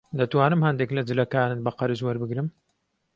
دەتوانم هەندێک لە جلەکانت بە قەرز وەربگرم؟